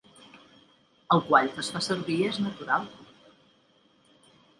El quall que es fa servir és natural.